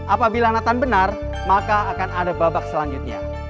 apabila nathan benar maka akan ada babak selanjutnya